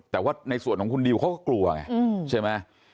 แต่ว่าในส่วนของคุณดิวเขาก็กลัวไงใช่ไหม